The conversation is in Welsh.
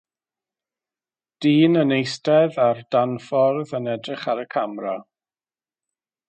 Dyn yn eistedd ar danffordd yn edrych ar y camera.